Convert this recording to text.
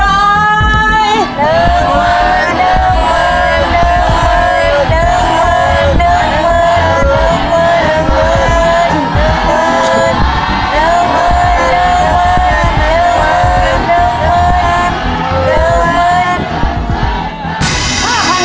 น้องมันน้องมันน้องมันน้องมัน